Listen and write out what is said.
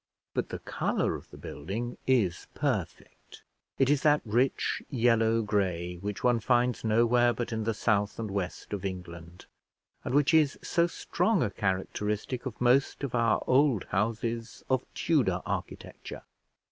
But the colour of the building is perfect; it is that rich yellow gray which one finds nowhere but in the south and west of England, and which is so strong a characteristic of most of our old houses of Tudor architecture.